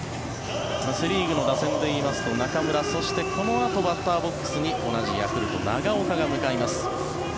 セ・リーグの打線で言いますと中村、そしてこのあとバッターボックスに同じヤクルト、長岡が向かいます。